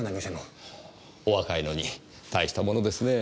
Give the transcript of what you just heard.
お若いのにたいしたものですねぇ。